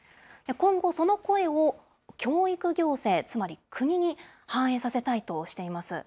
今後、その声を教育行政、つまり国に反映させたいとしています。